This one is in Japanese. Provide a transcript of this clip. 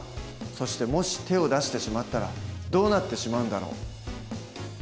そしてもし手を出してしまったらどうなってしまうんだろう？